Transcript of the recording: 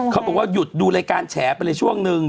เขาบอกว่าหยุดดูรายการแฉไปเลยช่วงนึง